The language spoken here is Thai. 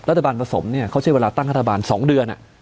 ผสมเนี่ยเขาใช้เวลาตั้งรัฐบาล๒เดือน